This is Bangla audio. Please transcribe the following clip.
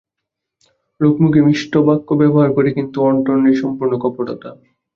লোক মুখে মিষ্ট বাক্য ব্যবহার করে কিন্তু অন্তরে সম্পূর্ণ কপটতা।